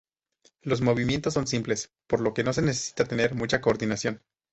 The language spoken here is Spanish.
Los movimientos son simples, por lo que no se necesita tener mucha coordinación.